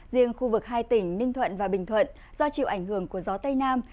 riêng khu vực hai tỉnh ninh thuận và bình thuận do chịu ảnh hưởng của gió tây nam